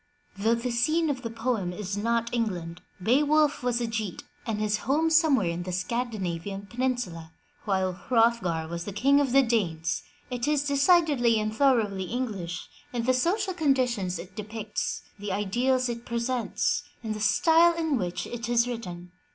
Though the scene of the poem is not England, — Beowulf was a Geat and his home somewhere in the Scandinavian peninsula, while Hrothgar was King of the Danes — it is decidedly and thorougly English in the social conditions it depicts, the ideals it presents, and the style in which it is written.